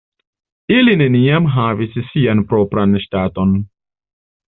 Ili neniam havis sian propran ŝtaton.